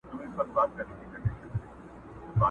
o غر و غره ته نه رسېږي، سړى و سړي ته رسېږي!